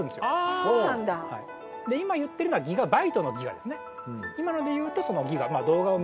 そうなんだで今言ってるのはギガバイトのギガですね